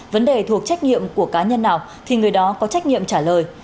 vấn đề thuộc trách nhiệm của cá nhân nào thì người đó có trách nhiệm trả lời